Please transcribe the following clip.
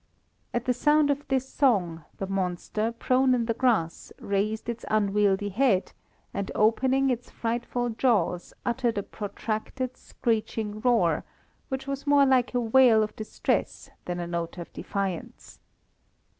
At the sound of this song, the monster, prone in the grass, raised its unwieldy head, and opening its frightful jaws, uttered a protracted, screeching roar, which was more like a wail of distress than a note of defiance.